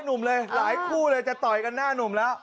หนุ่มเลยหลายคู่เลยจะต่อยกันหน้าหนุ่มแล้ว